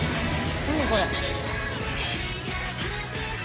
これ。